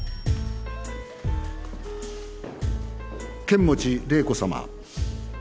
剣持麗子さま。